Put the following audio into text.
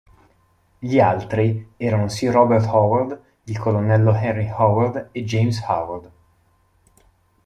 Gli altri erano Sir Robert Howard, il colonnello Henry Howard e James Howard.